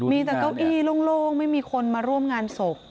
มีแต่เก้าอี้โล่งไม่มีคนมาร่วมงานศพ